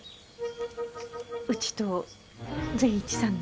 うちと善一さんの。